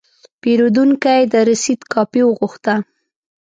پیرودونکی د رسید کاپي وغوښته.